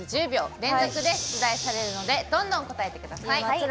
連続で出題されるのでどんどん答えてください。